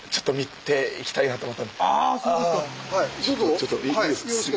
ちょっといいですか？